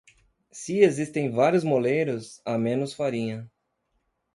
Se existem vários moleiros, há menos farinha.